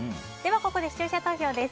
ここで視聴者投票です。